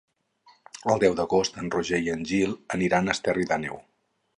El deu d'agost en Roger i en Gil aniran a Esterri d'Àneu.